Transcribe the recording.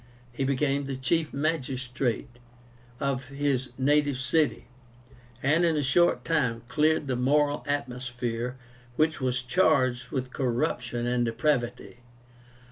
He became the chief magistrate of his native city, and in a short time cleared the moral atmosphere, which was charged with corruption and depravity.